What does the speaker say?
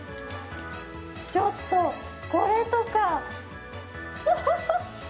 ちょっと、これとか！